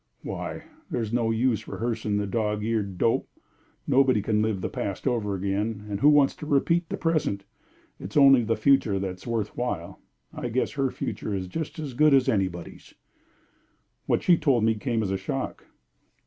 "Why? There's no use of rehearsing the dog eared dope. Nobody can live the past over again, and who wants to repeat the present? It's only the future that's worth while. I guess her future is just as good as anybody's." "What she told me came as a shock."